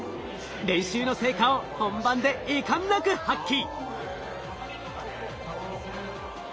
練習の成果を本番で遺憾なく発揮。